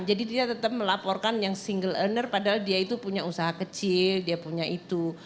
jadi dia tetap melaporkan yang single earner padahal dia itu punya usaha kecil dia punya itu